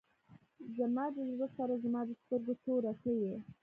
زما د زړه سره زما د سترګو توره ته یې.